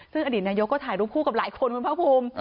ซึ่งอดีตนายกก็ถ่ายรูปคู่กับหลายคนคุณภาคภูมิ